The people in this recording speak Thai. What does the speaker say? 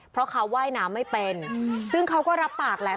เพราะเขาว่ายน้ำไม่เป็นซึ่งเขาก็รับปากแหละ